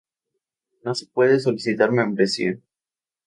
No se puede solicitar membresía.